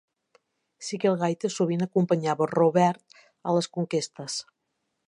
Sikelgaita sovint acompanyava Robert a les conquestes.